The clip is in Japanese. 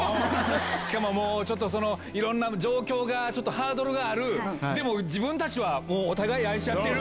しかももう、ちょっと、いろんな状況が、ちょっとハードルがある、でも自分たちはもうお互い愛し合ってる。